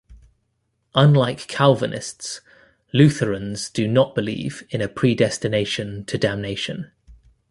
Unlike Calvinists, Lutherans do not believe in a predestination to damnation.